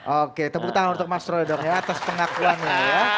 oke tepuk tangan untuk mas roy dong ya atas pengakuan ini ya